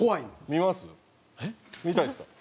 見たいですか？